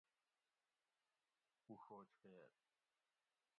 اشوج خیل